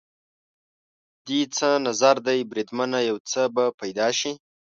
دې څه نظر دی بریدمنه؟ یو څه به پیدا شي.